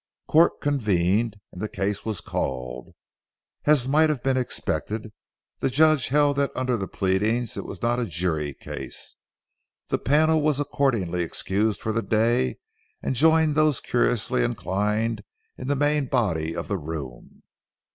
Court convened, and the case was called. As might have been expected, the judge held that under the pleadings it was not a jury case. The panel was accordingly excused for the day, and joined those curiously inclined in the main body of the room.